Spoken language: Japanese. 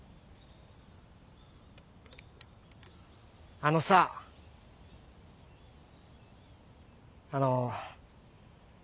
あのさあの。